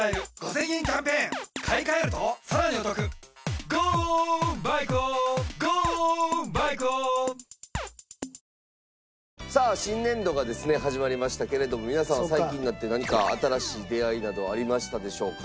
東京海上日動さあ新年度がですね始まりましたけれども皆さんは最近になって何か新しい出会いなどはありましたでしょうか？